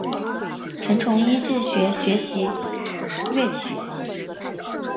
曾从尹自重学习粤曲。